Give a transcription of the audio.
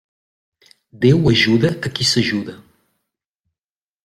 Déu ajuda a qui s'ajuda.